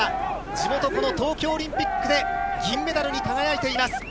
地元この東京オリンピックで銀メダルに輝いています。